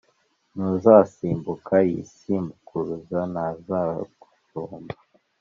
N'uzasimbuka yisumbukuruza ntazagusumba